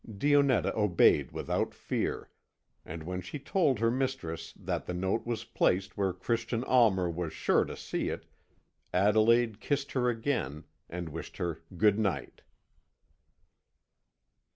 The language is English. Dionetta obeyed without fear, and when she told her mistress that the note was placed where Christian Almer was sure to see it, Adelaide kissed her again, and wished her "Good night."